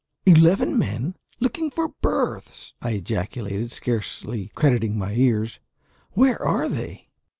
"Eleven men! looking for berths!" I ejaculated, scarcely crediting my ears. "Where are they?"